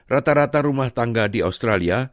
rata rata rumah tangga di australia